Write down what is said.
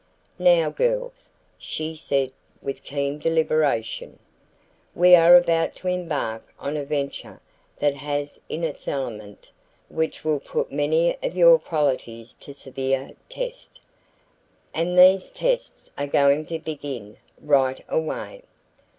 "Now, girls," she said with keen deliberation, "we are about to embark on a venture that has in it elements which will put many of your qualities to severe test. And these tests are going to begin right away.